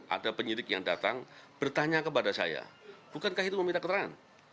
ada penyidik yang datang bertanya kepada saya bukankah itu meminta keterangan